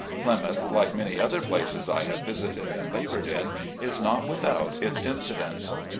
Plymouth, like many other places I have visited and labored in, is not without its incidents.